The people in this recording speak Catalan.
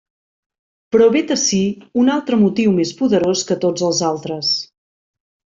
Però vet ací un altre motiu més poderós que tots els altres.